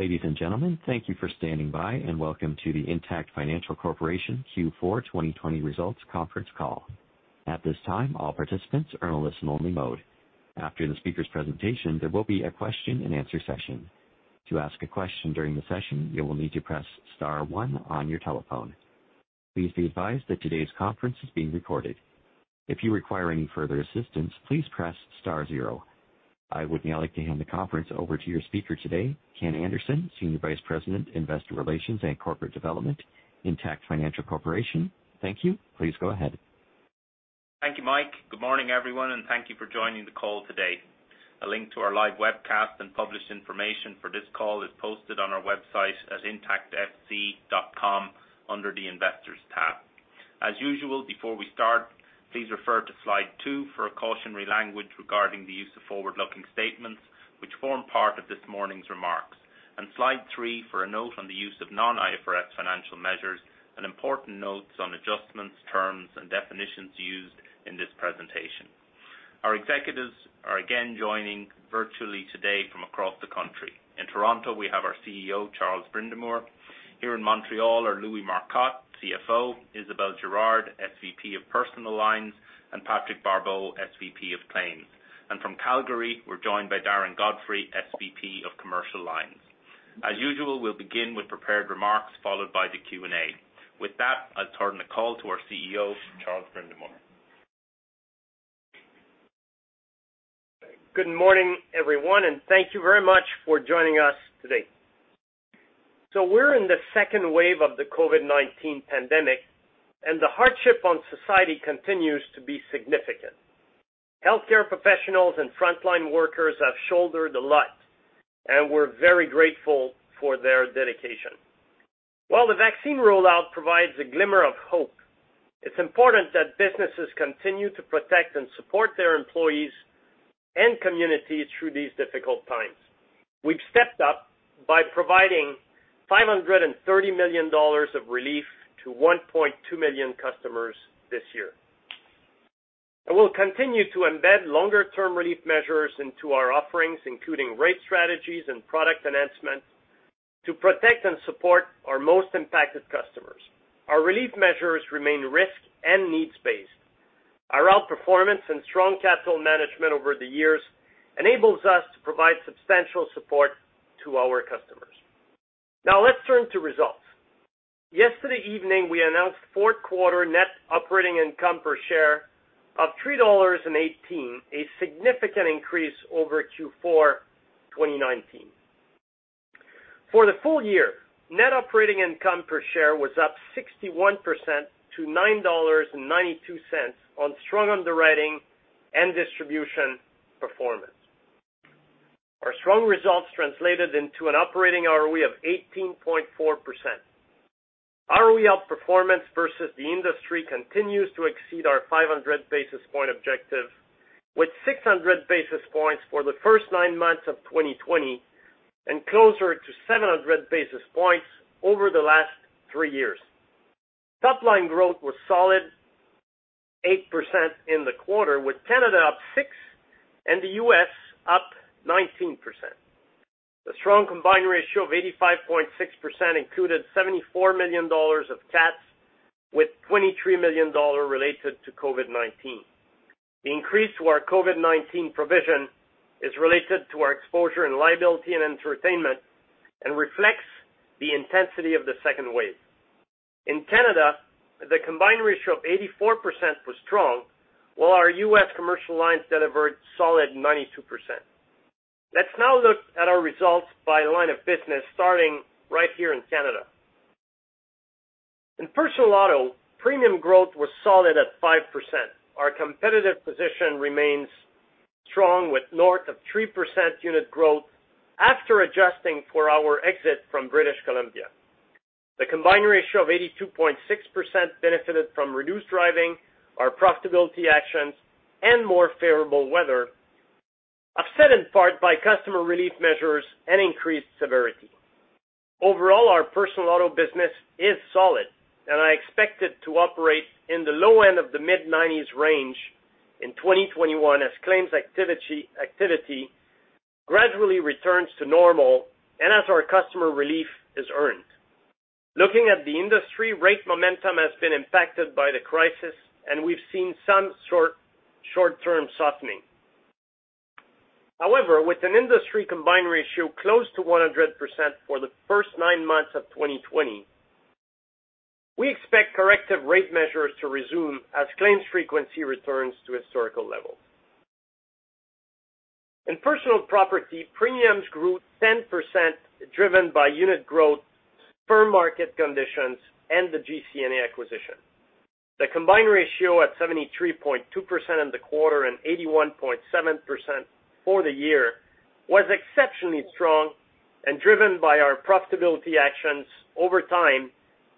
Ladies and gentlemen, thank you for standing by, and welcome to the Intact Financial Corporation Q4 2020 Results Conference Call. At this time, all participants are in a listen-only mode. After the speaker's presentation, there will be a question and answer session. To ask a question during the session, you will need to press star one on your telephone. Please be advised that today's conference is being recorded. If you require any further assistance, please press star zero. I would now like to hand the conference over to your speaker today, Ken Anderson, Senior Vice President, Investor Relations and Corporate Development, Intact Financial Corporation. Thank you. Please go ahead. Thank you, Mike. Good morning, everyone, and thank you for joining the call today. A link to our live webcast and published information for this call is posted on our website at intactfc.com under the Investors tab. As usual, before we start, please refer to slide two for a cautionary language regarding the use of forward-looking statements, which form part of this morning's remarks, and slide three for a note on the use of non-IFRS financial measures and important notes on adjustments, terms, and definitions used in this presentation. Our executives are again joining virtually today from across the country. In Toronto, we have our CEO, Charles Brindamour. Here in Montreal are Louis Marcotte, CFO, Isabelle Girard, SVP of Personal Lines, and Patrick Barbeau, SVP of Claims. And from Calgary, we're joined by Darren Godfrey, SVP of Commercial Lines. As usual, we'll begin with prepared remarks, followed by the Q&A. With that, I'll turn the call to our CEO, Charles Brindamour. Good morning, everyone, and thank you very much for joining us today. We're in the second wave of the COVID-19 pandemic, and the hardship on society continues to be significant. Healthcare professionals and frontline workers have shouldered the lot, and we're very grateful for their dedication. While the vaccine rollout provides a glimmer of hope, it's important that businesses continue to protect and support their employees and communities through these difficult times. We've stepped up by providing $530 million of relief to 1.2 million customers this year. We'll continue to embed longer-term relief measures into our offerings, including rate strategies and product enhancements, to protect and support our most impacted customers. Our relief measures remain risk and needs-based. Our outperformance and strong capital management over the years enables us to provide substantial support to our customers. Now, let's turn to results. Yesterday evening, we announced fourth quarter net operating income per share of $3.18, a significant increase over Q4 2019. For the full year, net operating income per share was up 61% to $9.92 on strong underwriting and distribution performance. Our strong results translated into an operating ROE of 18.4%. ROE outperformance versus the industry continues to exceed our 500 basis point objective, with 600 basis points for the first nine months of 2020 and closer to 700 basis points over the last three years. Top line growth was solid, 8% in the quarter, with Canada up 6% and the U.S. up 19%. The strong combined ratio of 85.6% included $74 million of cats, with $23 million related to COVID-19. The increase to our COVID-19 provision is related to our exposure and liability and entertainment and reflects the intensity of the second wave. In Canada, the combined ratio of 84% was strong, while our U.S. commercial lines delivered solid 92%. Let's now look at our results by line of business, starting right here in Canada. In personal auto, premium growth was solid at 5%. Our competitive position remains strong, with north of 3% unit growth after adjusting for our exit from British Columbia. The combined ratio of 82.6% benefited from reduced driving, our profitability actions, and more favorable weather, offset in part by customer relief measures and increased severity. Overall, our personal auto business is solid, and I expect it to operate in the low end of the mid-90s range in 2021 as claims activity gradually returns to normal and as our customer relief is earned. Looking at the industry, rate momentum has been impacted by the crisis, and we've seen some short-term softening. However, with an industry combined ratio close to 100% for the first nine months of 2020, we expect corrective rate measures to resume as claims frequency returns to historical levels. In personal property, premiums grew 10%, driven by unit growth, firm market conditions, and the GCNA acquisition. The combined ratio at 73.2% in the quarter and 81.7% for the year was exceptionally strong and driven by our profitability actions over time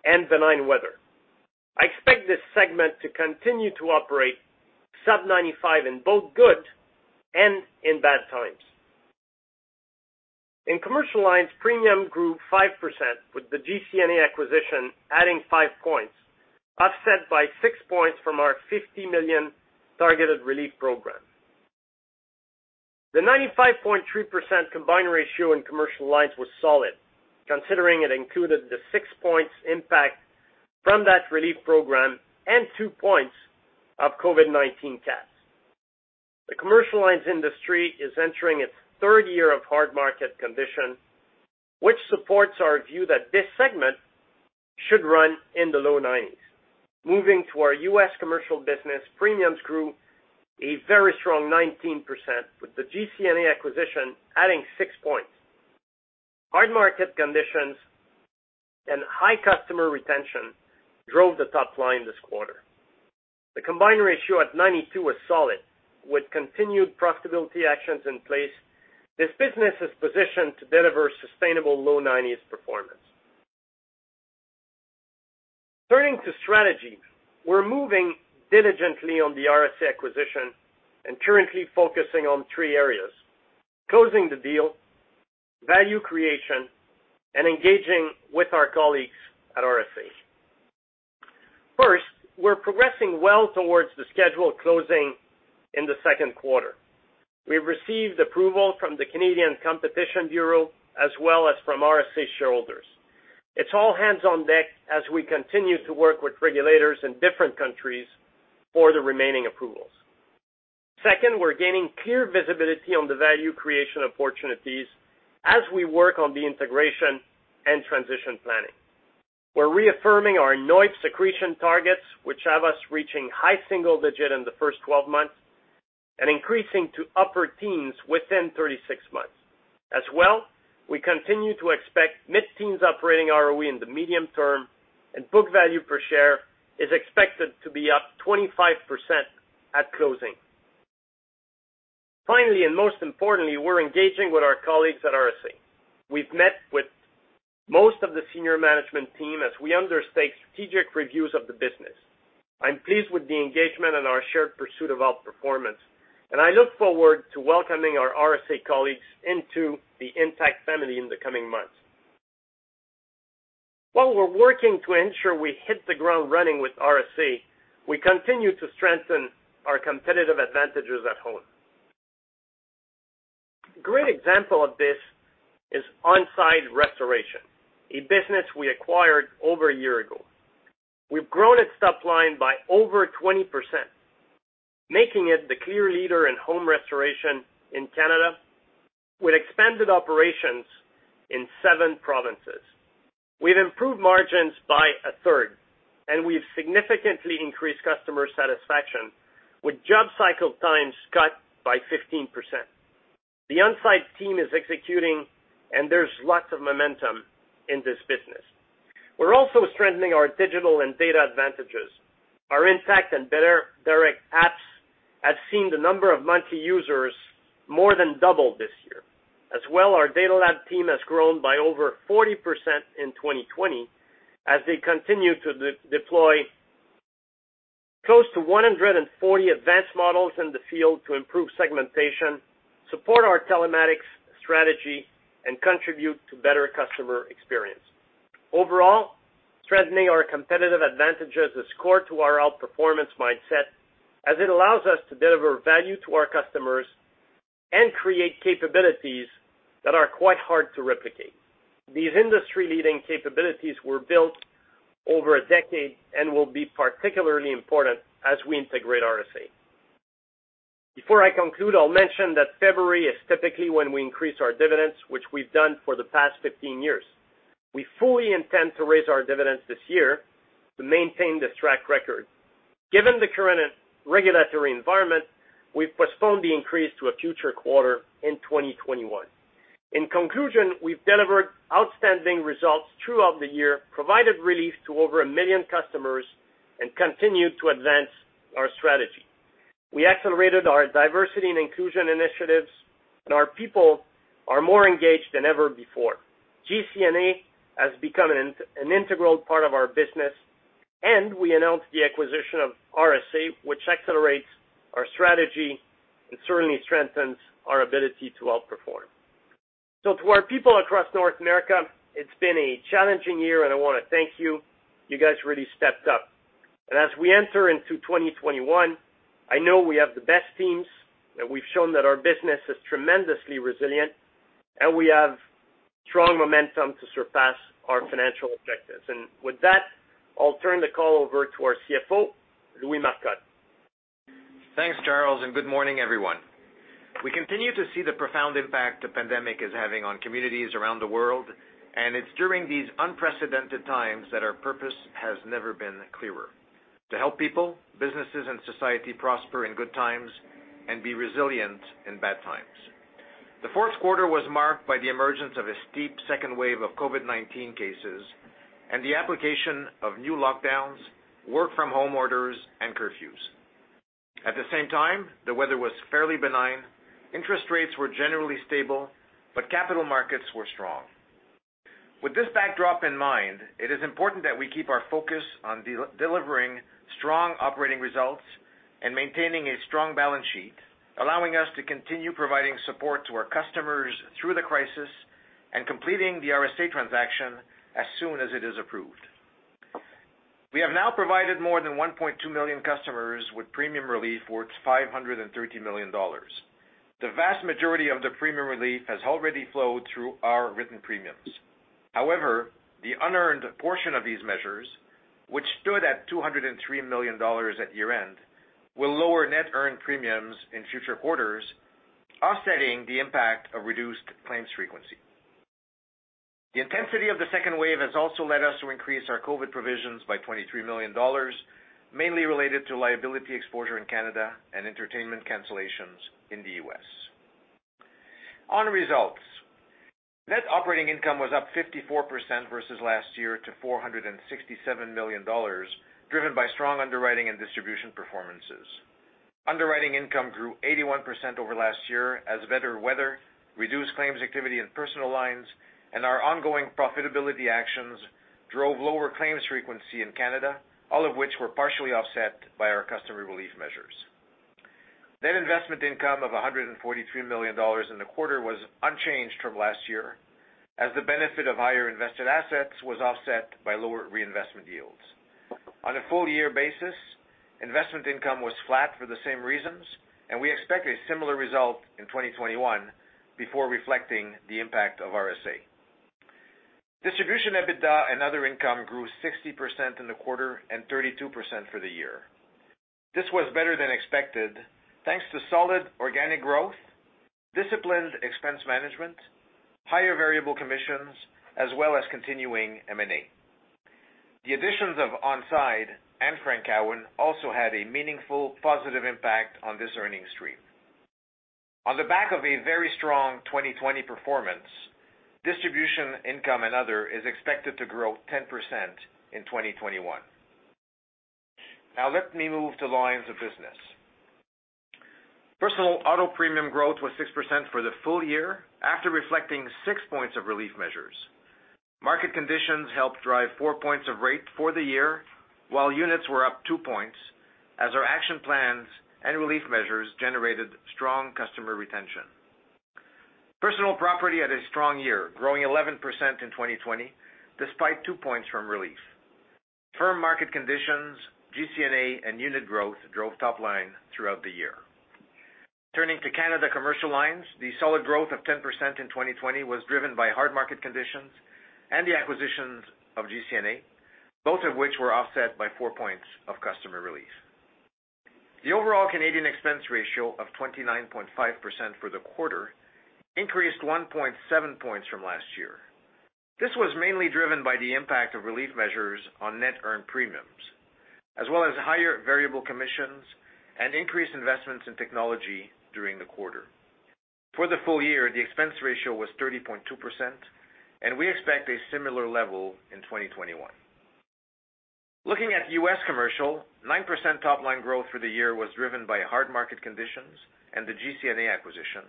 and benign weather. I expect this segment to continue to operate sub 95 in both good and in bad times. In commercial lines, premium grew 5%, with the GCNA acquisition adding five points, offset by six points from our $50 million targeted relief program. The 95.3% combined ratio in commercial lines was solid, considering it included the six points impact from that relief program and two points of COVID-19 cats. The commercial lines industry is entering its third year of hard market condition, which supports our view that this segment should run in the low 90s. Moving to our U.S. commercial business, premiums grew a very strong 19%, with the GCNA acquisition adding six points. Hard market conditions and high customer retention drove the top line this quarter. The combined ratio at 92 was solid. With continued profitability actions in place, this business is positioned to deliver sustainable low 90s performance. Turning to strategy, we're moving diligently on the RSA acquisition and currently focusing on three areas: closing the deal, value creation, and engaging with our colleagues at RSA. First, we're progressing well towards the scheduled closing in the second quarter. We've received approval from the Competition Bureau Canada as well as from RSA shareholders. It's all hands on deck as we continue to work with regulators in different countries for the remaining approvals. Second, we're gaining clear visibility on the value creation opportunities as we work on the integration and transition planning. We're reaffirming our NOIPS accretion targets, which have us reaching high single digit in the first 12 months and increasing to upper teens within 36 months. As well, we continue to expect mid-teens Operating ROE in the medium term, and book value per share is expected to be up 25% at closing. Finally, and most importantly, we're engaging with our colleagues at RSA. We've met with most of the senior management team as we undertake strategic reviews of the business. I'm pleased with the engagement and our shared pursuit of outperformance, and I look forward to welcoming our RSA colleagues into the Intact family in the coming months. While we're working to ensure we hit the ground running with RSA, we continue to strengthen our competitive advantages at home. A great example of this is On Side Restoration, a business we acquired over a year ago. We've grown its top line by over 20%, making it the clear leader in home restoration in Canada, with expanded operations in seven provinces. We've improved margins by a third, and we've significantly increased customer satisfaction, with job cycle times cut by 15%. The On Side team is executing, and there's lots of momentum in this business. We're also strengthening our digital and data advantages. Our Intact and belairdirect apps have seen the number of monthly users more than double this year. As well, our data lab team has grown by over 40% in 2020, as they continue to deploy close to 140 advanced models in the field to improve segmentation, support our telematics strategy, and contribute to better customer experience. Overall, strengthening our competitive advantage is core to our outperformance mindset, as it allows us to deliver value to our customers and create capabilities that are quite hard to replicate. These industry-leading capabilities were built over a decade and will be particularly important as we integrate RSA. Before I conclude, I'll mention that February is typically when we increase our dividends, which we've done for the past 15 years. We fully intend to raise our dividends this year to maintain this track record. Given the current regulatory environment, we've postponed the increase to a future quarter in 2021. In conclusion, we've delivered outstanding results throughout the year, provided relief to over 1 million customers, and continued to advance our strategy. We accelerated our diversity and inclusion initiatives, and our people are more engaged than ever before. GCNA has become an integral part of our business, and we announced the acquisition of RSA, which accelerates our strategy and certainly strengthens our ability to outperform. To our people across North America, it's been a challenging year, and I wanna thank you. You guys really stepped up. As we enter into 2021, I know we have the best teams, and we've shown that our business is tremendously resilient, and we have strong momentum to surpass our financial objectives. With that, I'll turn the call over to our CFO, Louis Marcotte. Thanks, Charles, and good morning, everyone. We continue to see the profound impact the pandemic is having on communities around the world, and it's during these unprecedented times that our purpose has never been clearer: to help people, businesses, and society prosper in good times and be resilient in bad times. The fourth quarter was marked by the emergence of a steep second wave of COVID-19 cases and the application of new lockdowns, work-from-home orders, and curfews. At the same time, the weather was fairly benign, interest rates were generally stable, but capital markets were strong. With this backdrop in mind, it is important that we keep our focus on delivering strong operating results and maintaining a strong balance sheet, allowing us to continue providing support to our customers through the crisis and completing the RSA transaction as soon as it is approved. We have now provided more than 1.2 million customers with premium relief worth $530 million. The vast majority of the premium relief has already flowed through our written premiums. However, the unearned portion of these measures, which stood at $203 million at year-end, will lower net earned premiums in future quarters, offsetting the impact of reduced claims frequency. The intensity of the second wave has also led us to increase our COVID provisions by $23 million, mainly related to liability exposure in Canada and entertainment cancellations in the U.S. On results, net operating income was up 54% versus last year to $467 million, driven by strong underwriting and distribution performances. Underwriting income grew 81% over last year as better weather, reduced claims activity in personal lines, and our ongoing profitability actions drove lower claims frequency in Canada, all of which were partially offset by our customer relief measures. Net investment income of $143 million in the quarter was unchanged from last year, as the benefit of higher invested assets was offset by lower reinvestment yields. On a full year basis, investment income was flat for the same reasons, and we expect a similar result in 2021 before reflecting the impact of RSA. Distribution, EBITDA, and other income grew 60% in the quarter and 32% for the year. This was better than expected, thanks to solid organic growth, disciplined expense management, higher variable commissions, as well as continuing M&A. The additions of On Side and Frank Cowan also had a meaningful positive impact on this earnings stream. On the back of a very strong 2020 performance, distribution, income, and other is expected to grow 10% in 2021. Now let me move to lines of business. Personal auto premium growth was 6% for the full year after reflecting six points of relief measures. Market conditions helped drive four points of rate for the year, while units were up two points, as our action plans and relief measures generated strong customer retention. Personal property had a strong year, growing 11% in 2020, despite two points from relief. Firm market conditions, GCNA, and unit growth drove top line throughout the year. Turning to Canada commercial lines, the solid growth of 10% in 2020 was driven by hard market conditions and the acquisitions of GCNA, both of which were offset by four points of customer relief. The overall Canadian expense ratio of 29.5% for the quarter increased 1.7 points from last year. This was mainly driven by the impact of relief measures on net earned premiums, as well as higher variable commissions and increased investments in technology during the quarter. For the full year, the expense ratio was 30.2%, and we expect a similar level in 2021. Looking at U.S. commercial, 9% top line growth for the year was driven by hard market conditions and the GCNA acquisition,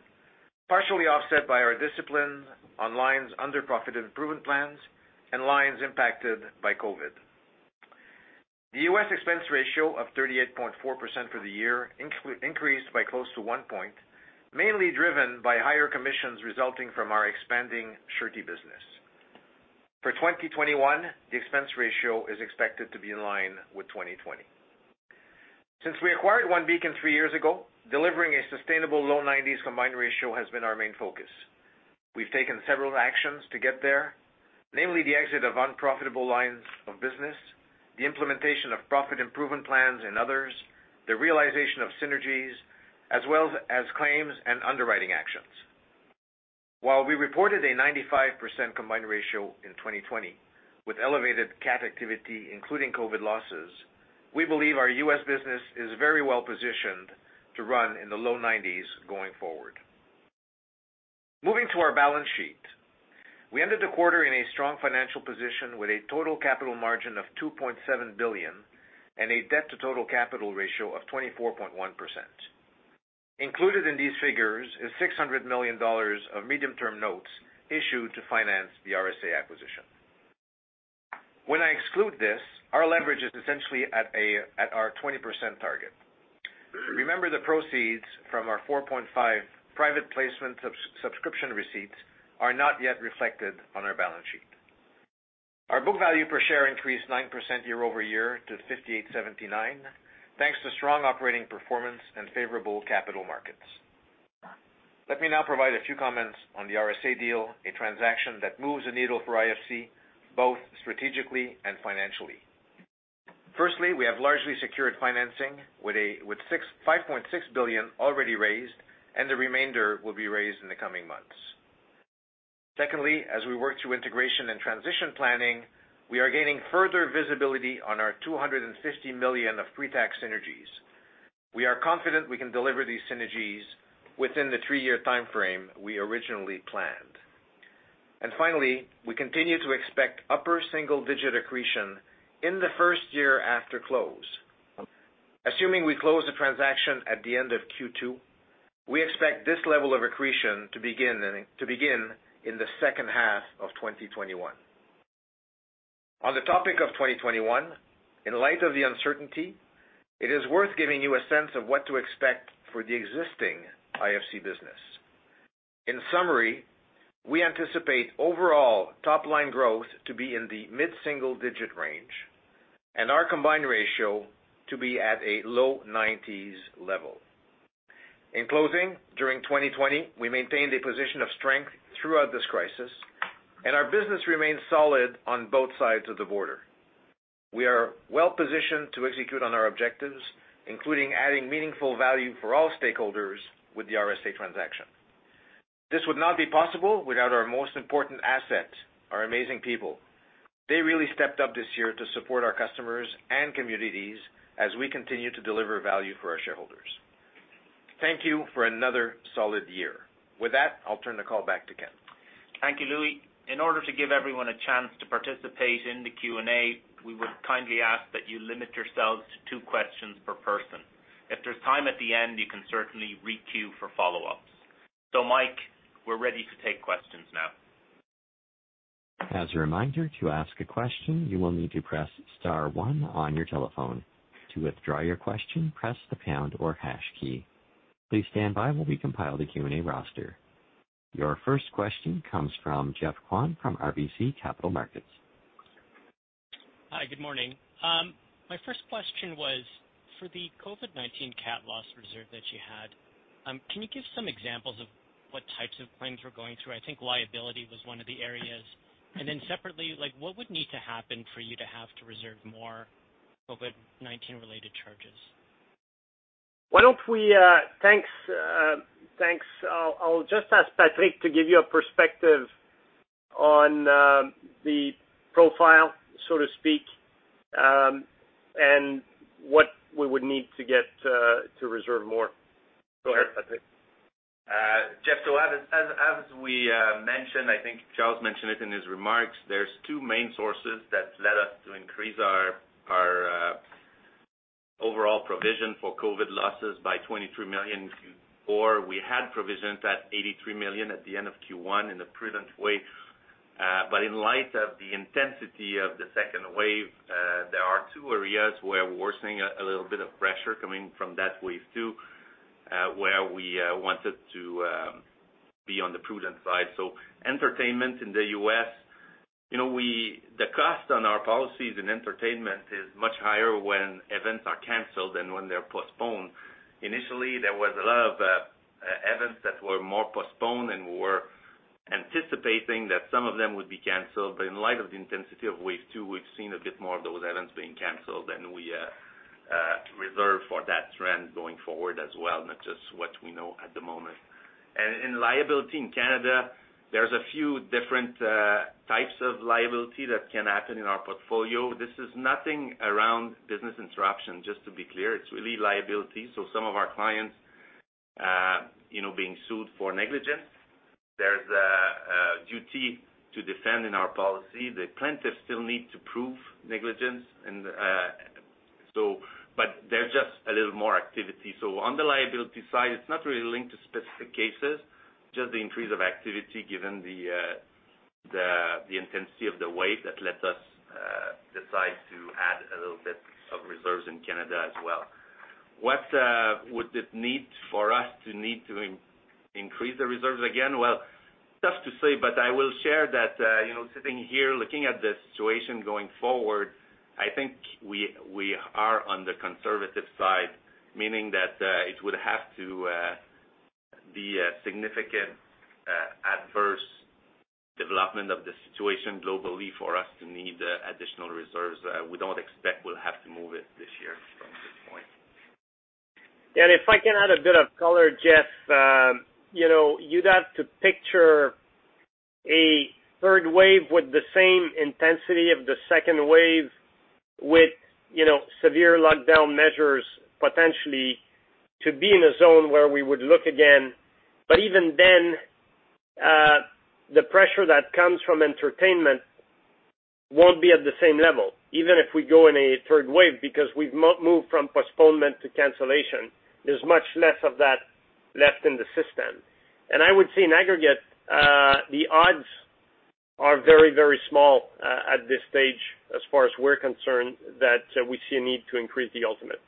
partially offset by our discipline on lines under profit improvement plans and lines impacted by COVID. The U.S. expense ratio of 38.4% for the year increased by close to one point, mainly driven by higher commissions resulting from our expanding surety business. For 2021, the expense ratio is expected to be in line with 2020. Since we acquired OneBeacon three years ago, delivering a sustainable low 90s combined ratio has been our main focus. We've taken several actions to get there, namely the exit of unprofitable lines of business, the implementation of profit improvement plans and others, the realization of synergies, as well as claims and underwriting actions. While we reported a 95% combined ratio in 2020, with elevated cat activity, including COVID losses, we believe our U.S. business is very well positioned to run in the low 90s going forward. Moving to our balance sheet, we ended the quarter in a strong financial position with a total capital margin of $2.7 billion and a debt to total capital ratio of 24.1%. Included in these figures is $600 million of medium-term notes issued to finance the RSA acquisition. When I exclude this, our leverage is essentially at a our 20% target. Remember, the proceeds from our $4.5 billion private placement subscription receipts are not yet reflected on our balance sheet. Our book value per share increased 9% year-over-year to $58.79, thanks to strong operating performance and favorable capital markets. Let me now provide a few comments on the RSA deal, a transaction that moves the needle for IFC, both strategically and financially. Firstly, we have largely secured financing with $5.6 billion already raised, and the remainder will be raised in the coming months. Secondly, as we work through integration and transition planning, we are gaining further visibility on our $250 million of pre-tax synergies. We are confident we can deliver these synergies within the three-year timeframe we originally planned. Finally, we continue to expect upper single-digit accretion in the first year after close. Assuming we close the transaction at the end of Q2, we expect this level of accretion to begin in the second half of 2021. On the topic of 2021, in light of the uncertainty, it is worth giving you a sense of what to expect for the existing IFC business.... In summary, we anticipate overall top line growth to be in the mid-single digit range, and our combined ratio to be at a low 90s level. In closing, during 2020, we maintained a position of strength throughout this crisis, and our business remains solid on both sides of the border. We are well positioned to execute on our objectives, including adding meaningful value for all stakeholders with the RSA transaction. This would not be possible without our most important asset, our amazing people. They really stepped up this year to support our customers and communities as we continue to deliver value for our shareholders. Thank you for another solid year. With that, I'll turn the call back to Ken. Thank you, Louis. In order to give everyone a chance to participate in the Q&A, we would kindly ask that you limit yourselves to two questions per person. If there's time at the end, you can certainly re-queue for follow-ups. Mike, we're ready to take questions now. As a reminder, to ask a question, you will need to press star one on your telephone. To withdraw your question, press the pound or hash key. Please stand by while we compile the Q&A roster. Your first question comes from Jeff Kwan from RBC Capital Markets. Hi, good morning. My first question was, for the COVID-19 cat loss reserve that you had, can you give some examples of what types of claims were going through? I think liability was one of the areas. And then separately, like, what would need to happen for you to have to reserve more COVID-19 related charges? Why don't we... Thanks, thanks. I'll, I'll just ask Patrick to give you a perspective on the profile, so to speak, and what we would need to get to reserve more. Go ahead, Patrick. Jeff, so as we mentioned, I think Charles mentioned it in his remarks, there's two main sources that led us to increase our overall provision for COVID losses by $23 million, or we had provisioned that $83 million at the end of Q1 in a prudent way. But in light of the intensity of the second wave, there are two areas where we're seeing a little bit of pressure coming from that wave two, where we wanted to be on the prudent side. So entertainment in the U.S., you know, we, the cost on our policies in entertainment is much higher when events are canceled than when they're postponed. Initially, there was a lot of events that were more postponed, and we were anticipating that some of them would be canceled. But in light of the intensity of wave two, we've seen a bit more of those events being canceled, and we reserve for that trend going forward as well, not just what we know at the moment. In liability in Canada, there's a few different types of liability that can happen in our portfolio. This is nothing around business interruption, just to be clear, it's really liability. So some of our clients, you know, being sued for negligence. There's a duty to defend in our policy. The plaintiffs still need to prove negligence, and, but there's just a little more activity. On the liability side, it's not really linked to specific cases, just the increase of activity given the intensity of the wave that led us decide to add a little bit of reserves in Canada as well. What would it need for us to need to increase the reserves again? Well, tough to say, but I will share that, you know, sitting here, looking at the situation going forward, I think we are on the conservative side, meaning that it would have to be a significant adverse development of the situation globally for us to need additional reserves. We don't expect we'll have to move it this year from this point. And if I can add a bit of color, Jeff, you know, you'd have to picture a third wave with the same intensity of the second wave with, you know, severe lockdown measures, potentially to be in a zone where we would look again. But even then, the pressure that comes from entertainment won't be at the same level, even if we go in a third wave, because we've moved from postponement to cancellation. There's much less of that left in the system. And I would say in aggregate, the odds are very, very small, at this stage, as far as we're concerned, that we see a need to increase the ultimate.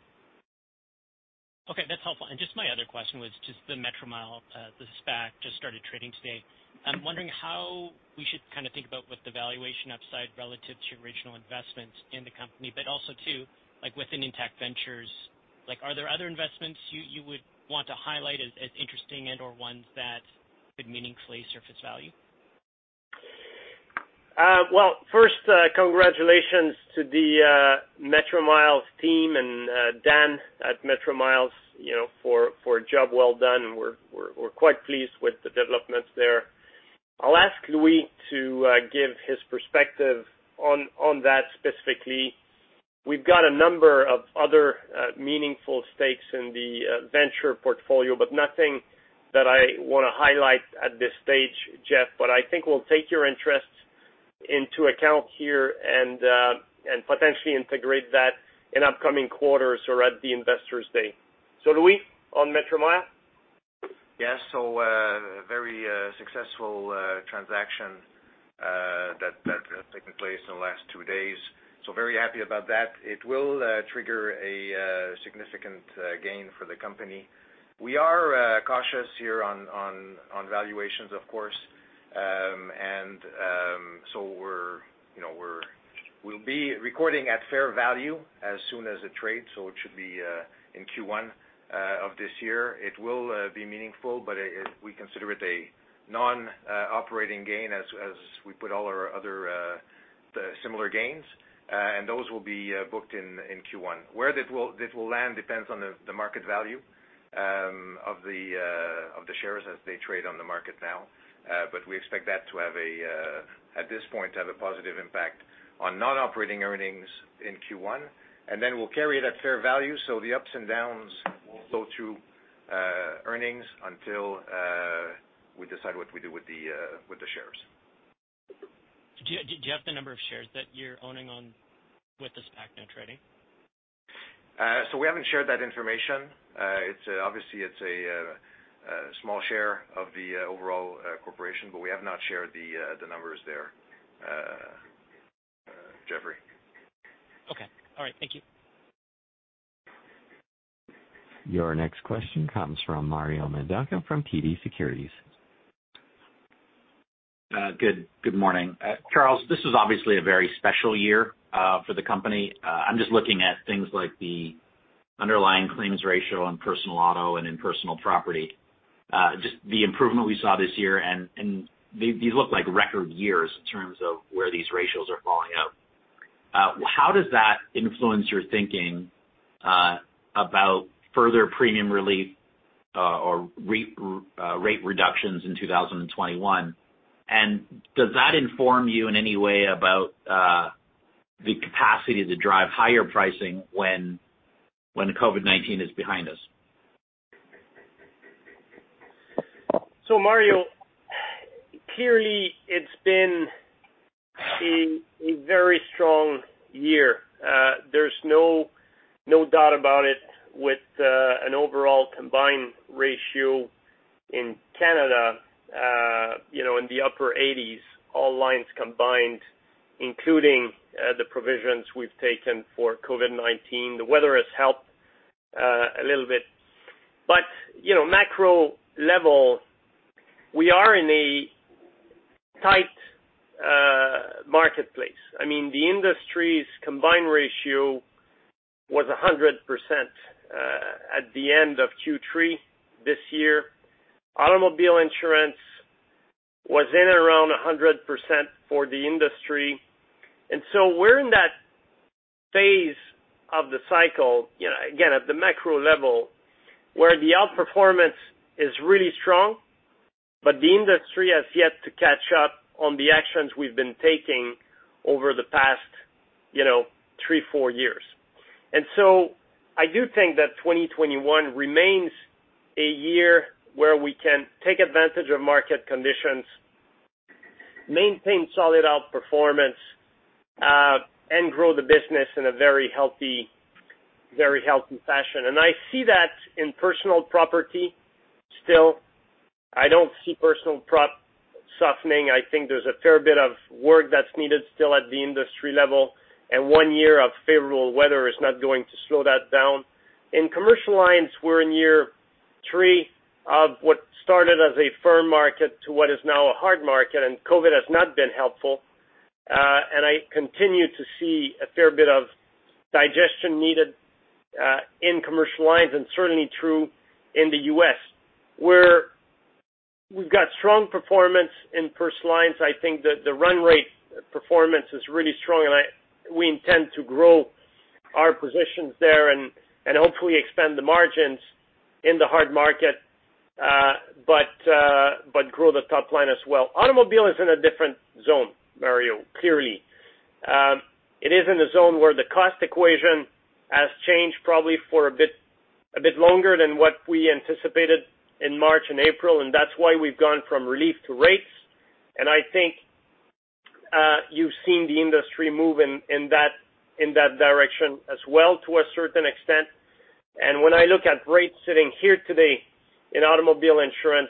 Okay, that's helpful. And just my other question was just the Metromile, the SPAC just started trading today. I'm wondering how we should kind of think about what the valuation upside relative to your original investments in the company, but also too, like with Intact Ventures, like, are there other investments you would want to highlight as interesting and/or ones that could meaningfully surface value? Well, first, congratulations to the Metromile team and Dan at Metromile, you know, for a job well done. We're quite pleased with the developments there. I'll ask Louis to give his perspective on that specifically. We've got a number of other meaningful stakes in the venture portfolio, but nothing that I want to highlight at this stage, Jeff. But I think we'll take your interests into account here and potentially integrate that in upcoming quarters or at the Investors Day. So Louis, on Metromile? Yes, so very successful transaction.... in place in the last two days, so very happy about that. It will trigger a significant gain for the company. We are cautious here on valuations, of course. And so we're, you know, we'll be recording at fair value as soon as it trades, so it should be in Q1 of this year. It will be meaningful, but we consider it a non operating gain as we put all our other the similar gains and those will be booked in Q1. Where it will, this will land depends on the market value of the shares as they trade on the market now. But we expect that to have a, at this point, to have a positive impact on non-operating earnings in Q1, and then we'll carry it at fair value, so the ups and downs will flow through earnings until we decide what we do with the shares. Do you have the number of shares that you're owning on with this SPAC now trading? So we haven't shared that information. It's obviously a small share of the overall corporation, but we have not shared the numbers there, Jeff. Okay. All right, thank you. Your next question comes from Mario Mendonca from TD Securities. Good morning. Charles, this is obviously a very special year for the company. I'm just looking at things like the underlying claims ratio in personal auto and in personal property. Just the improvement we saw this year, and these look like record years in terms of where these ratios are falling out. How does that influence your thinking about further premium relief or rate reductions in 2021? And does that inform you in any way about the capacity to drive higher pricing when the COVID-19 is behind us? So Mario, clearly, it's been a very strong year. There's no doubt about it, with an overall combined ratio in Canada, you know, in the upper 80s, all lines combined, including the provisions we've taken for COVID-19. The weather has helped a little bit. But, you know, macro level, we are in a tight marketplace. I mean, the industry's combined ratio was 100% at the end of Q3 this year. Automobile insurance was in around 100% for the industry. And so we're in that phase of the cycle, you know, again, at the macro level, where the outperformance is really strong, but the industry has yet to catch up on the actions we've been taking over the past, you know, three, four years. And so I do think that 2021 remains a year where we can take advantage of market conditions, maintain solid outperformance, and grow the business in a very healthy, very healthy fashion. And I see that in personal property still. I don't see personal prop softening. I think there's a fair bit of work that's needed still at the industry level, and one year of favorable weather is not going to slow that down. In commercial lines, we're in year three of what started as a firm market to what is now a hard market, and COVID has not been helpful. And I continue to see a fair bit of digestion needed in commercial lines, and certainly true in the U.S., where we've got strong performance in personal lines. I think that the run rate performance is really strong, and we intend to grow our positions there and hopefully expand the margins in the hard market, but grow the top line as well. Automobile is in a different zone, Mario, clearly. It is in a zone where the cost equation has changed probably for a bit longer than what we anticipated in March and April, and that's why we've gone from relief to rates. And I think you've seen the industry move in that direction as well, to a certain extent. And when I look at rates sitting here today in automobile insurance,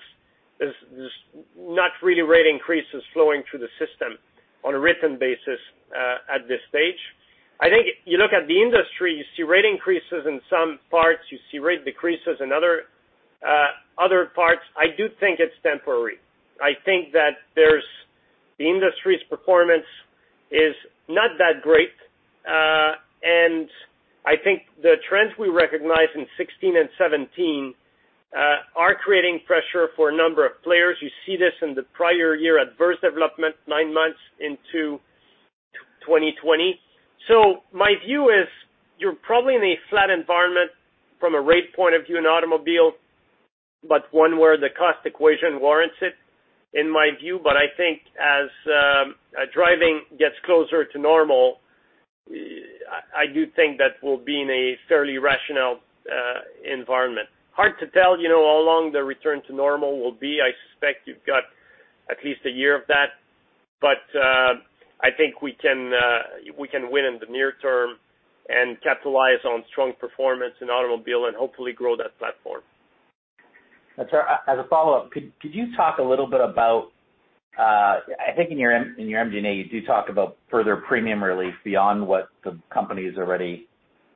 there's not really rate increases flowing through the system on a written basis, at this stage. I think you look at the industry, you see rate increases in some parts, you see rate decreases in other parts. I do think it's temporary. I think that there's the industry's performance is not that great, and I think the trends we recognize in 2016 and 2017 are creating pressure for a number of players. You see this in the prior year adverse development, nine months into 2020. So my view is, you're probably in a flat environment from a rate point of view in automobile, but one where the cost equation warrants it, in my view. But I think as driving gets closer to normal, I do think that we'll be in a fairly rational environment. Hard to tell, you know, how long the return to normal will be. I suspect you've got at least a year of that, but, I think we can, we can win in the near term and capitalize on strong performance in automobile and hopefully grow that platform. ... And sir, as a follow-up, could you talk a little bit about, I think in your MD&A, you do talk about further premium relief beyond what the company's already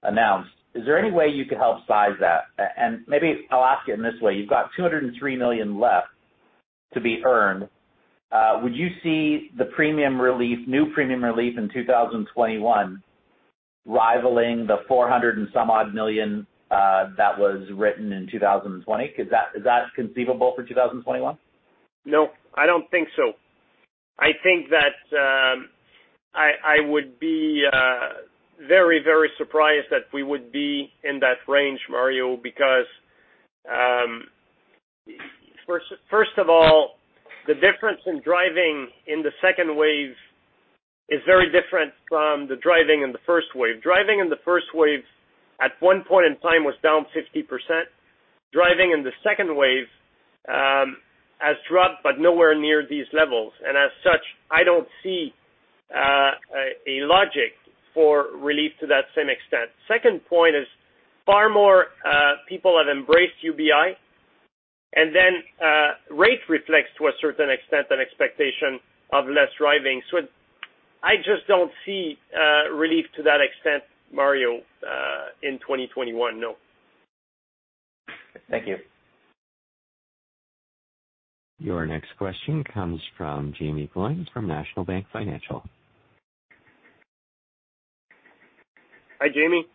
announced. Is there any way you could help size that? And maybe I'll ask it in this way, you've got $203 million left to be earned. Would you see the premium relief, new premium relief in 2021 rivaling the $400 million or so that was written in 2020? Is that conceivable for 2021? No, I don't think so. I think that, I, I would be very, very surprised that we would be in that range, Mario, because, first, first of all, the difference in driving in the second wave is very different from the driving in the first wave. Driving in the first wave, at one point in time, was down 50%. Driving in the second wave, has dropped, but nowhere near these levels, and as such, I don't see, a, a logic for relief to that same extent. Second point is far more, people have embraced UBI, and then, rate reflects, to a certain extent, an expectation of less driving. So I just don't see, relief to that extent, Mario, in 2021. No. Thank you. Your next question comes from Jaeme Gloyn from National Bank Financial. Hi, Jamie.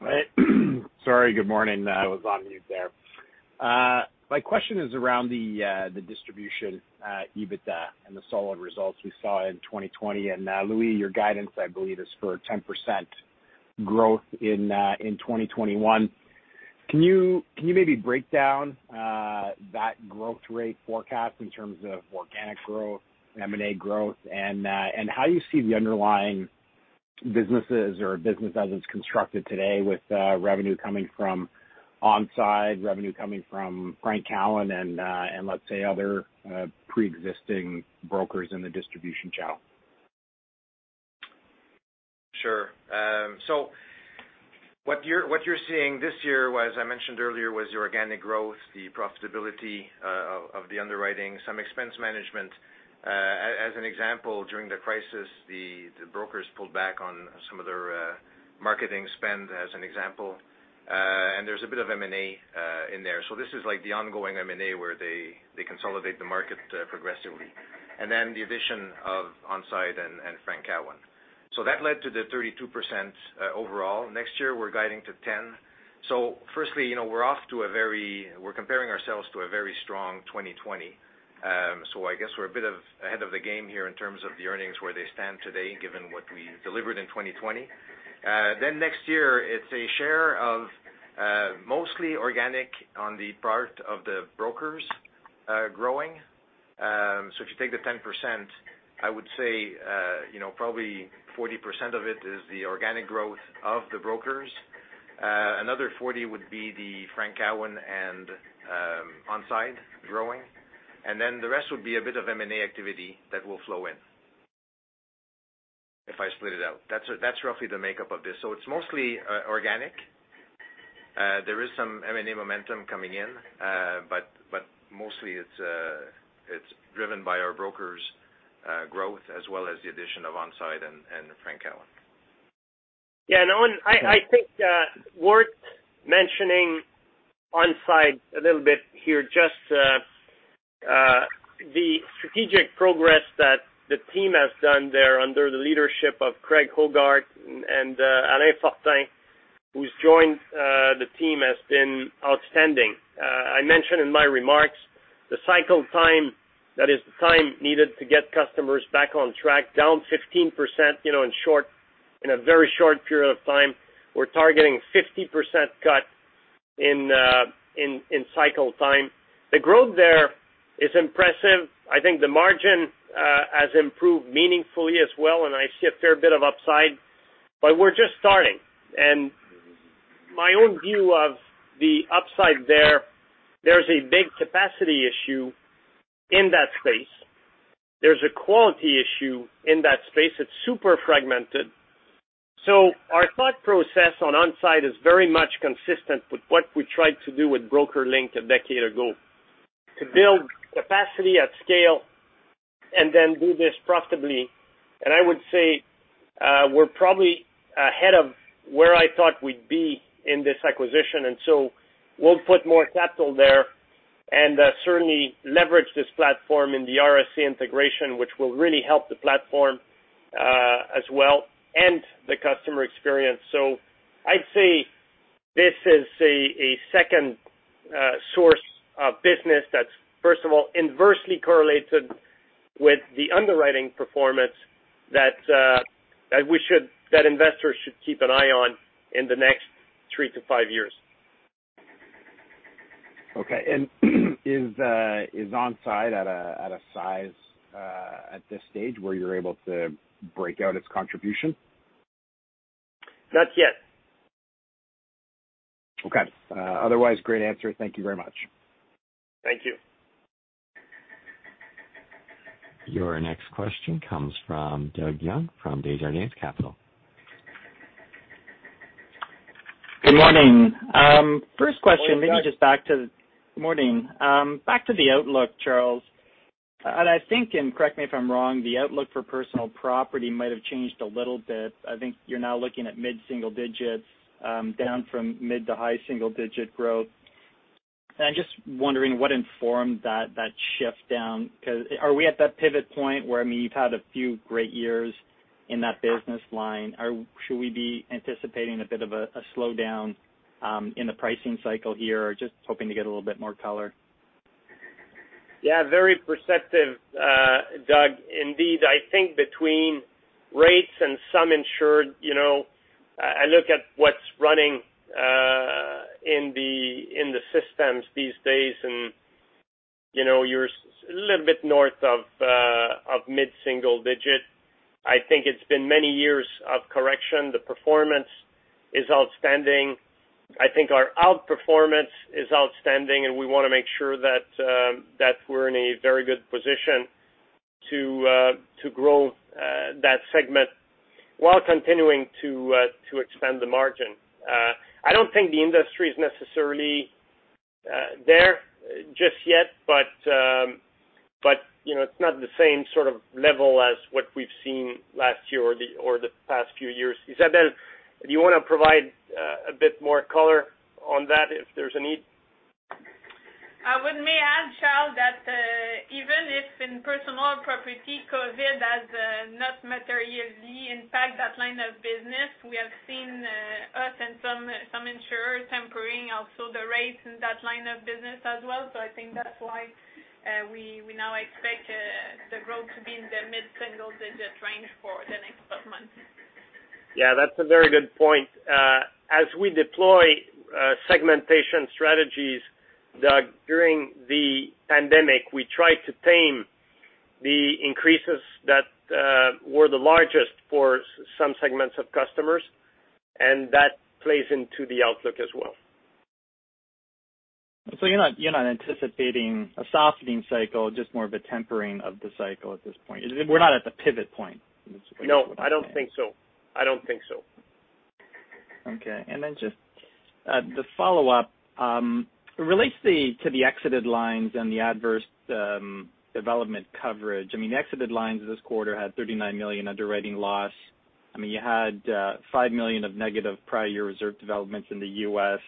Hi. Sorry, good morning. I was on mute there. My question is around the distribution, EBITDA and the solid results we saw in 2020. Louis, your guidance, I believe, is for 10% growth in 2021. Can you maybe break down that growth rate forecast in terms of organic growth, M&A growth, and how you see the underlying businesses or business as it's constructed today with revenue coming from On Side, revenue coming from Frank Cowan and let's say other pre-existing brokers in the distribution channel? Sure. So what you're, what you're seeing this year was, as I mentioned earlier, was the organic growth, the profitability, of, of the underwriting, some expense management. As an example, during the crisis, the, the brokers pulled back on some of their, marketing spend, as an example, and there's a bit of M&A in there. So this is like the ongoing M&A, where they, they consolidate the market, progressively, and then the addition of On Side and, and Frank Cowan. So that led to the 32%, overall. Next year, we're guiding to 10%. So firstly, you know, we're off to a very-- we're comparing ourselves to a very strong 2020. So I guess we're a bit ahead of the game here in terms of the earnings, where they stand today, given what we delivered in 2020. Then next year, it's a share of, mostly organic on the part of the brokers, growing. So if you take the 10%, I would say, you know, probably 40% of it is the organic growth of the brokers. Another 40 would be the Frank Cowan and, On Side growing, and then the rest would be a bit of M&A activity that will flow in, if I split it out. That's roughly the makeup of this. So it's mostly, organic. There is some M&A momentum coming in, but mostly it's, it's driven by our brokers', growth, as well as the addition of On Side and, and Frank Cowan. Yeah, no, and I think worth mentioning On Side a little bit here, just the strategic progress that the team has done there under the leadership of Craig Hogarth and Alain Fortin, who's joined the team, has been outstanding. I mentioned in my remarks the cycle time, that is the time needed to get customers back on track, down 15%, you know, in short, in a very short period of time. We're targeting 50% cut in cycle time. The growth there is impressive. I think the margin has improved meaningfully as well, and I see a fair bit of upside, but we're just starting. And my own view of the upside there, there's a big capacity issue in that space. There's a quality issue in that space. It's super fragmented. So our thought process on On Side is very much consistent with what we tried to do with BrokerLink a decade ago, to build capacity at scale and then do this profitably. And I would say, we're probably ahead of where I thought we'd be in this acquisition, and so we'll put more capital there and, certainly leverage this platform in the RSA integration, which will really help the platform, as well, and the customer experience. So I'd say this is a, a second, source of business that's, first of all, inversely correlated with the underwriting performance that, that we should-- that investors should keep an eye on in the next three to five years. Okay. And is On Side at a size at this stage, where you're able to break out its contribution? Not yet. Okay. Otherwise, great answer. Thank you very much. Thank you. .. Your next question comes from Doug Young, from Desjardins Capital. Good morning. First question, maybe just back to the outlook, Charles. And I think, and correct me if I'm wrong, the outlook for personal property might have changed a little bit. I think you're now looking at mid-single digits, down from mid to high single digit growth. And I'm just wondering what informed that, that shift down, because are we at that pivot point where, I mean, you've had a few great years in that business line? Should we be anticipating a bit of a, a slowdown, in the pricing cycle here, or just hoping to get a little bit more color? Yeah, very perceptive, Doug. Indeed, I think between rates and some insured, you know, I, I look at what's running in the, in the systems these days, and, you know, you're a little bit north of, of mid-single digit. I think it's been many years of correction. The performance is outstanding. I think our outperformance is outstanding, and we wanna make sure that, that we're in a very good position to, to grow, that segment while continuing to, to expand the margin. I don't think the industry is necessarily, there just yet, but, but, you know, it's not the same sort of level as what we've seen last year or the, or the past few years. Isabelle, do you wanna provide, a bit more color on that, if there's a need? I would may add, Charles, that even if in personal property, COVID has not materially impact that line of business, we have seen us and some insurers tempering also the rates in that line of business as well. So I think that's why we now expect the growth to be in the mid-single digit range for the next 12 months. Yeah, that's a very good point. As we deploy segmentation strategies, Doug, during the pandemic, we tried to tame the increases that were the largest for some segments of customers, and that plays into the outlook as well. So you're not, you're not anticipating a softening cycle, just more of a tempering of the cycle at this point. We're not at the pivot point, is what you're saying? No, I don't think so. I don't think so. Okay, and then just the follow-up relates to the exited lines and the adverse development coverage. I mean, the exited lines this quarter had $39 million underwriting loss. I mean, you had $5 million of negative prior year reserve developments in the U.S.,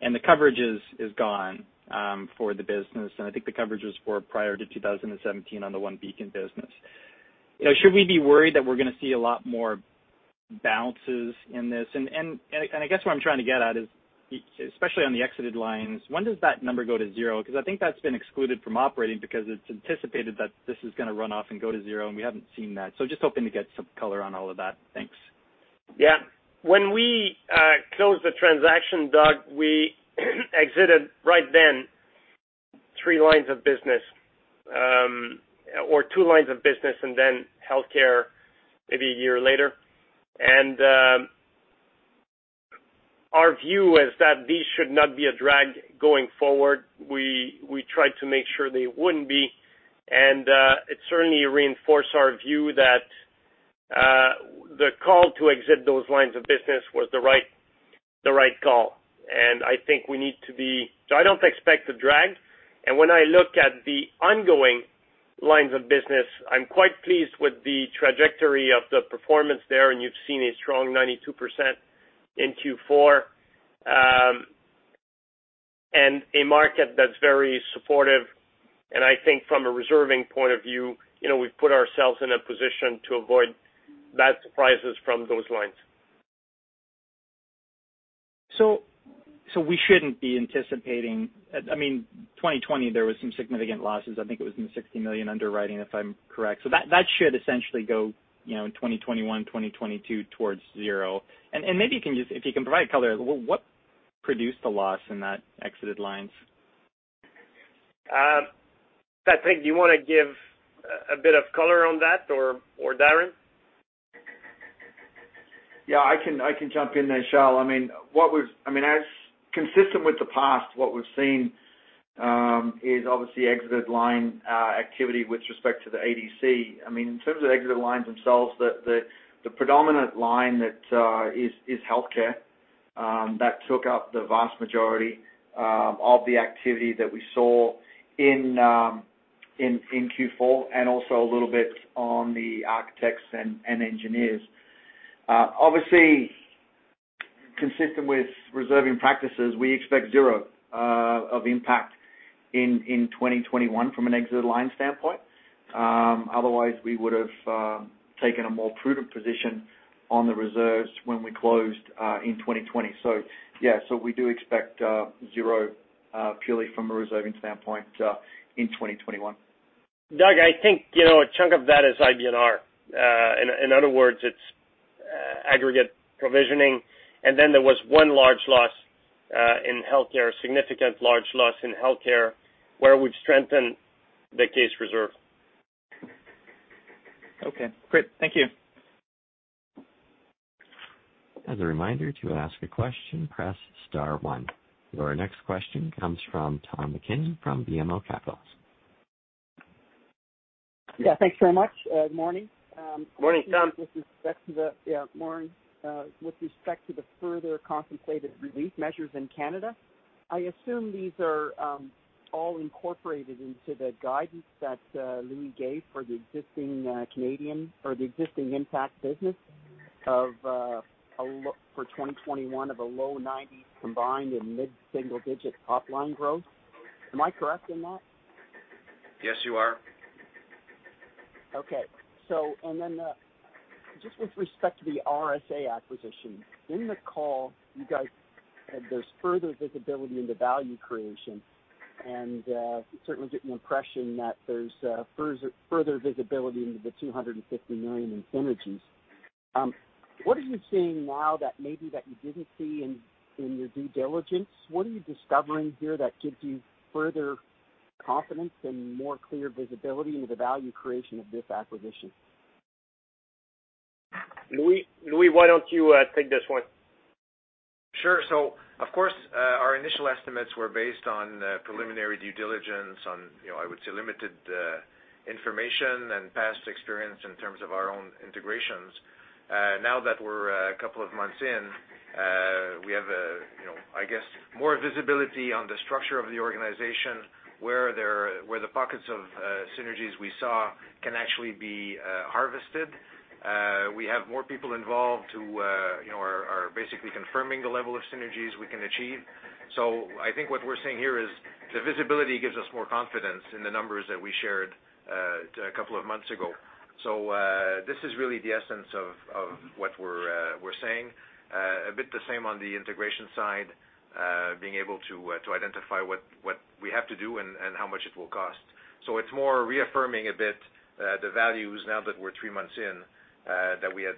and the coverage is gone for the business, and I think the coverage was for prior to 2017 on the OneBeacon business. You know, should we be worried that we're gonna see a lot more balances in this? And I guess what I'm trying to get at is, especially on the exited lines, when does that number go to zero? Because I think that's been excluded from operating, because it's anticipated that this is gonna run off and go to zero, and we haven't seen that. Just hoping to get some color on all of that. Thanks. Yeah. When we closed the transaction, Doug, we exited right then, three lines of business, or two lines of business, and then healthcare maybe a year later. And our view is that these should not be a drag going forward. We tried to make sure they wouldn't be, and it certainly reinforced our view that the call to exit those lines of business was the right, the right call. And I think we need to be... So I don't expect a drag, and when I look at the ongoing lines of business, I'm quite pleased with the trajectory of the performance there, and you've seen a strong 92% in Q4, and a market that's very supportive. And I think from a reserving point of view, you know, we've put ourselves in a position to avoid bad surprises from those lines. So, we shouldn't be anticipating, I mean, 2020, there was some significant losses. I think it was in the $60 million underwriting, if I'm correct. So that, that should essentially go, you know, in 2021, 2022 towards zero. And, and maybe you can just if you can provide color, what produced the loss in that exited lines? Patrick, do you wanna give a bit of color on that, or Darren? Yeah, I can jump in there, Charles. I mean, as consistent with the past, what we've seen is obviously exited line activity with respect to the ADC. I mean, in terms of exited lines themselves, the predominant line that is healthcare. That took up the vast majority of the activity that we saw in Q4, and also a little bit on the architects and engineers. Obviously, consistent with reserving practices, we expect zero of impact in 2021 from an exited line standpoint. Otherwise, we would've taken a more prudent position on the reserves when we closed in 2020. So yeah, so we do expect zero purely from a reserving standpoint in 2021. Doug, I think, you know, a chunk of that is IBNR. In other words, it's aggregate provisioning, and then there was one large loss in healthcare, significant large loss in healthcare, where we've strengthened the case reserve. Okay, great. Thank you. ...As a reminder, to ask a question, press star one. Your next question comes from Tom MacKinnon, from BMO Capital. Yeah, thanks very much. Morning. Morning, Tom. Yeah, morning. With respect to the further contemplated relief measures in Canada, I assume these are all incorporated into the guidance that Louis gave for the existing Canadian or the existing Intact business of a low for 2021 of a low 90s combined and mid-single-digit top-line growth. Am I correct in that? Yes, you are. Okay. So and then, just with respect to the RSA acquisition, in the call, you guys said there's further visibility into value creation, and certainly get the impression that there's further visibility into the $250 million in synergies. What are you seeing now that maybe that you didn't see in your due diligence? What are you discovering here that gives you further confidence and more clear visibility into the value creation of this acquisition? Louis, Louis, why don't you take this one? Sure. So of course, our initial estimates were based on, preliminary due diligence on, you know, I would say limited, information and past experience in terms of our own integrations. Now that we're, a couple of months in, we have a, you know, I guess, more visibility on the structure of the organization, where the pockets of, synergies we saw can actually be, harvested. We have more people involved who, you know, are basically confirming the level of synergies we can achieve. So I think what we're seeing here is the visibility gives us more confidence in the numbers that we shared, a couple of months ago. So, this is really the essence of what we're saying. A bit the same on the integration side, being able to identify what we have to do and how much it will cost. So it's more reaffirming a bit the values now that we're three months in that we had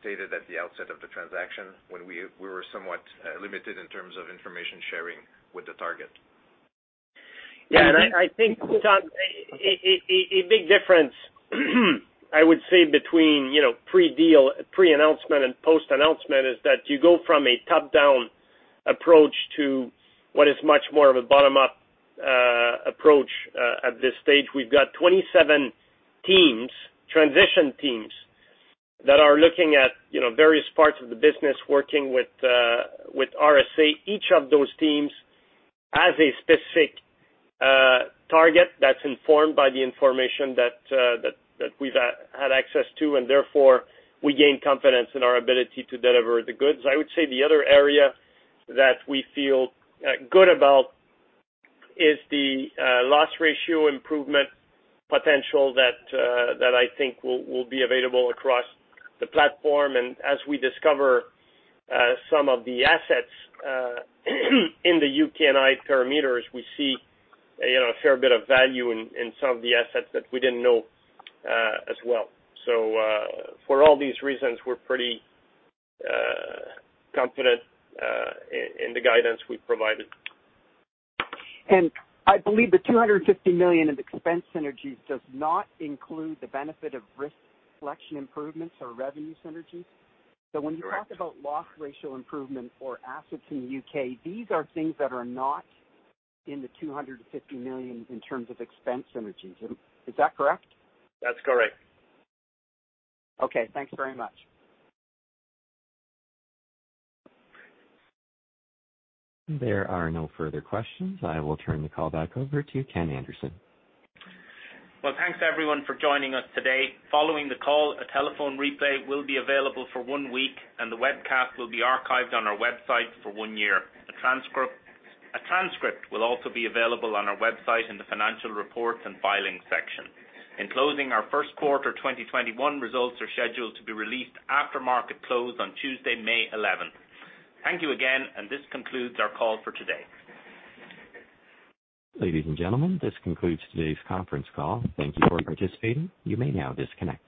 stated at the outset of the transaction when we were somewhat limited in terms of information sharing with the target. Yeah, I think, Tom, a big difference, I would say, between, you know, pre-deal, pre-announcement and post-announcement, is that you go from a top-down approach to what is much more of a bottom-up approach. At this stage, we've got 27 teams, transition teams, that are looking at, you know, various parts of the business working with with RSA. Each of those teams has a specific target that's informed by the information that that we've had access to, and therefore, we gain confidence in our ability to deliver the goods. I would say the other area that we feel good about is the loss ratio improvement potential that that I think will, will be available across the platform. As we discover some of the assets in the U.K. and Ireland, we see, you know, a fair bit of value in some of the assets that we didn't know as well. So, for all these reasons, we're pretty confident in the guidance we've provided. I believe the $250 million in expense synergies does not include the benefit of risk selection improvements or revenue synergies? Correct. When you talk about loss ratio improvement or assets in the U.K., these are things that are not in the $250 million in terms of expense synergies. Is that correct? That's correct. Okay, thanks very much. There are no further questions. I will turn the call back over to Ken Anderson. Well, thanks everyone for joining us today. Following the call, a telephone replay will be available for one week, and the webcast will be archived on our website for one year. A transcript, a transcript will also be available on our website in the Financial Reports and Filings section. In closing, our first quarter 2021 results are scheduled to be released after market close on Tuesday, May 11th. Thank you again, and this concludes our call for today. Ladies and gentlemen, this concludes today's conference call. Thank you for participating. You may now disconnect.